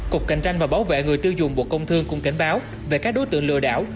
cục cạnh tranh và bảo vệ người tiêu dùng bộ công thương cũng cảnh báo về các đối tượng lừa đảo